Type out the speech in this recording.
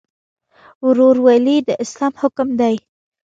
ورورولي د اسلام حکم دی